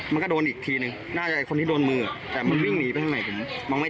มันก็โดนอีกทีหนึ่งน่าเปิดบินที่นี่